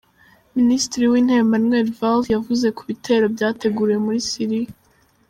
Minisitiri w’intebe Manuel Valls yavuze ko ibitero byateguriwe muri Siriya.